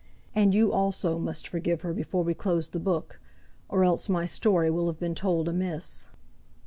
And you also must forgive her before we close the book, or else my story will have been told amiss.